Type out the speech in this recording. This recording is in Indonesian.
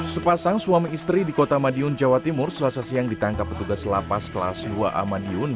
sepasang suami istri di kota madiun jawa timur selasa siang ditangkap petugas lapas kelas dua a madiun